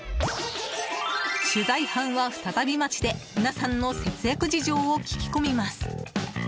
取材班は再び街で皆さんの節約事情を聞き込みます。